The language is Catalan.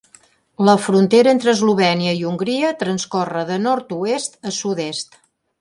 La frontera entre Eslovènia i Hongria transcorre de nord-oest a sud-est.